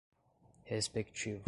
respectivo